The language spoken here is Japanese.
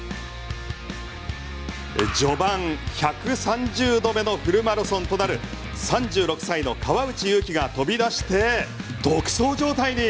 序盤１３０度目のフルマラソンとなる３６歳の川内優輝が飛び出して独走状態に。